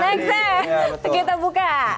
next kita buka